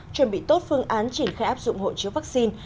chuẩn bị tốt phương án triển khai áp dụng hộ chiếu vaccine